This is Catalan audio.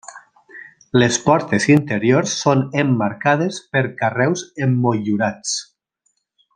Les portes interiors són emmarcades per carreus emmotllurats.